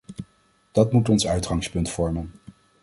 Dat moet ons uitgangspunt vormen.